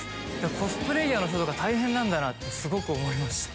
コスプレーヤーの人とか大変だなってすごく思いました。